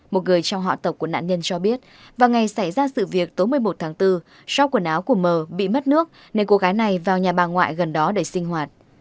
một người trong họ tộc của nạn nhân cho biết vào ngày xảy ra sự việc tối một mươi một tháng bốn sau quần áo của mờ bị mất nước nên cô gái này vào nhà bà ngoại gần đó để sinh hoạt